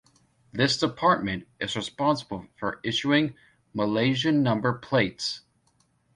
This department is responsible for issuing Malaysian number plates.